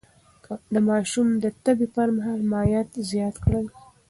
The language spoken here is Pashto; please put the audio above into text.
د ماشوم د تبه پر مهال مايعات زيات کړئ.